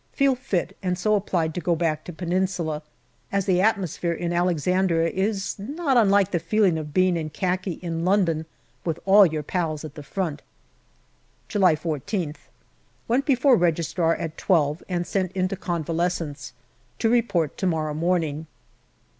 Feel fit, and so applied to go back to Peninsula, as the atmosphere in Alexandria is not unlike the feeling of being in khaki in London with all your pals at the front. July Ilth. Went before Registrar at twelve, and sent into con valescence. To report to morrow morning.